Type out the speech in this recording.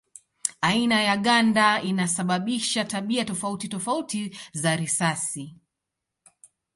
Aina ya ganda inasababisha tabia tofauti tofauti za risasi.